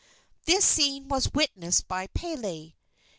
This scene was witnessed by Pele.